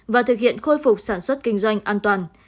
và thực hiện khôi phục sản xuất kinh doanh an toàn